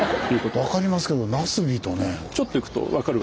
分かりますけど茄子とね。